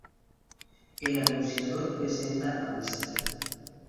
El Anunciador presenta a Mr.